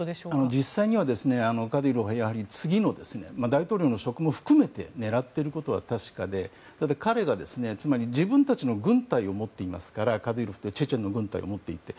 実際にはカディロフはやはり次の大統領の職も含めて狙ってることは確かでただ、彼が自分たちの軍隊を持っていますからカディロフはチェチェンの軍隊を持っていて。